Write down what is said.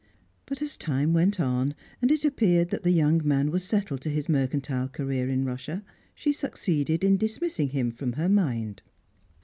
But as time went on, and it appeared that the young man was settled to his mercantile career in Russia, she succeeded in dismissing him from her mind.